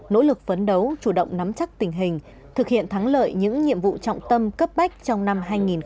nỗ lực phấn đấu chủ động nắm chắc tình hình thực hiện thắng lợi những nhiệm vụ trọng tâm cấp bách trong năm hai nghìn hai mươi